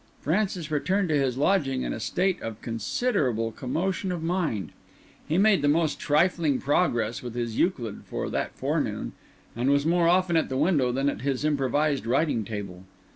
Francis returned to his lodging in a state of considerable commotion of mind. He made the most trifling progress with his Euclid for that forenoon, and was more often at the window than at his improvised writing table.